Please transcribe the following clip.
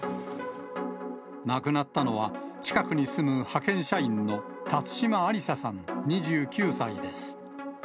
亡くなったのは、近くに住む派遣社員の辰島ありささん２９歳です。